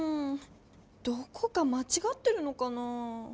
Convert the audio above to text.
どこかまちがってるのかなぁ？